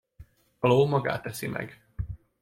A ló magát eszi meg!